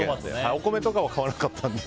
お米とかは買わなかったので。